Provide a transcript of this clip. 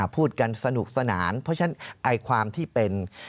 พูดกันสนุกสนานเพราะฉะนั้นความที่เป็น